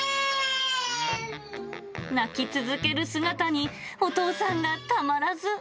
泣き続ける姿にお父さんがたまらず。